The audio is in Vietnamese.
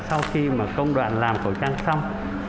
sau khi công đoạn làm khẩu trang xong